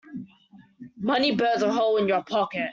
Money burns a hole in your pocket.